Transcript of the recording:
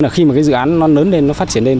là khi mà cái dự án nó lớn lên nó phát triển lên